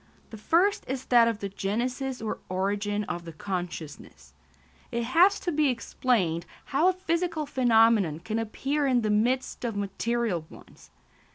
The first is that of the genesis or origin of the consciousness. It has to be explained how a psychical phenomenon can appear in the midst of material ones.